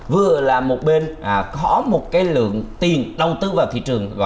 vừa là một bên có một lượng tiền đầu tư vào thị trường